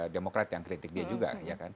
demokrat yang kritik dia juga